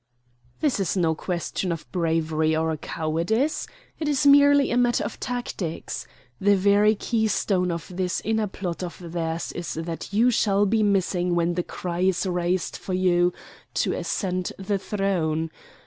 "This is no question of bravery or cowardice. It is merely a matter of tactics. The very keystone of this inner plot of theirs is that you shall be missing when the cry is raised for you to ascend the throne.